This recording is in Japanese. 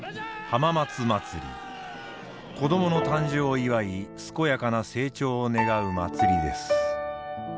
子供の誕生を祝い健やかな成長を願う祭りです。